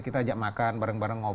kita ajak makan bareng bareng ngobrol